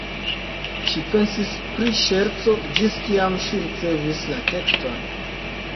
Ŝi pensis pri ŝerco, ĝis kiam ŝi ricevis la tekston.